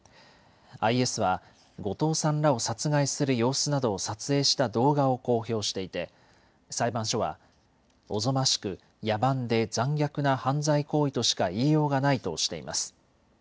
ＩＳは後藤さんらを殺害する様子などを撮影した動画を公表していて裁判所はおぞましく野蛮で残虐な犯罪行為としか言いようがないとしています。